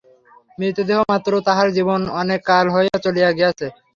মৃতদেহ মাত্র, তাহার জীবন অনেক কাল হইল চলিয়া গিয়াছে।